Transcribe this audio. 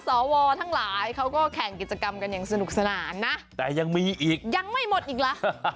ทั้งหลายเขาก็แข่งกิจกรรมกันอย่างสนุกสนานนะแต่ยังมีอีกยังไม่หมดอีกล่ะ